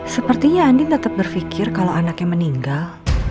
sepertinya andin tetap berpikir kalau anaknya meninggal